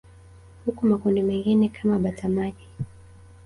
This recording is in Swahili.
Huku makundi mengine kama bata maji